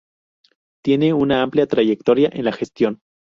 Tiene una amplia trayectoria en la gestión.